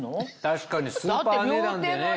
確かにスーパー値段でね。